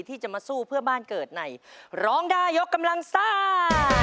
ที่จะมาสู้เพื่อบ้านเกิดในร้องได้ยกกำลังซ่า